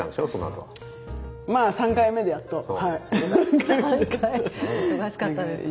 ３回忙しかったですね